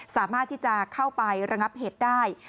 สามารถที่จะเข้าไประงับเหตุได้